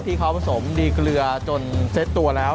ที่เขาผสมดีเกลือจนเซ็ตตัวแล้ว